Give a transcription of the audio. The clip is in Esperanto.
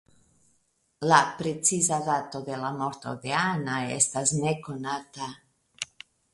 La preciza dato de la morto de Anna estas nekonata.